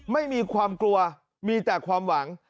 ไม่มีความกลัวมีแต่ความหวัง